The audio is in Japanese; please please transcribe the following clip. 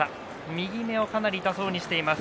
右目をかなり痛そうにしています